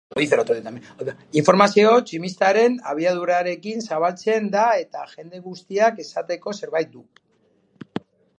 Informazioa tximistaren abiadurarekin zabaltzen da eta jende guztiak esateko zerbait du.